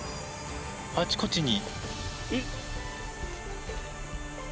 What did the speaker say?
あちこちに。